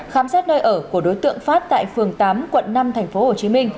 khám xét nơi ở của đối tượng phát tại phường tám quận năm tp hcm